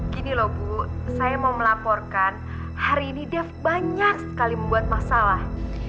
gini loh bu saya mau melaporkan hari ini dev banyak sekali membuat masalah